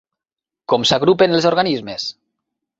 Com s'agrupen els organismes?